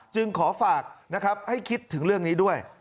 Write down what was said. จึงขอฝากนะครับให้คิดถึงเรื่องนี้ด้วย